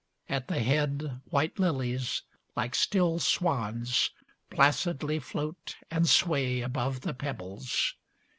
At the head, White lilies, like still swans, placidly float And sway above the pebbles.